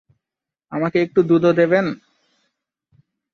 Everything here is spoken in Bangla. আমাকে একটু দুধও দেবেন।